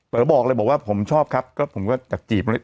เต๋อบอกเลยบอกว่าผมชอบครับก็ผมก็อยากจีบเลย